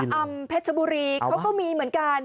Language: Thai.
อำเภอเพชรบุรีเขาก็มีเหมือนกัน